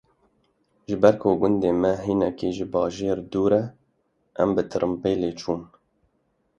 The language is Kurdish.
Ji ber ku gundê me hinekî ji bajêr dûr e, em bi tirembêlê çûn.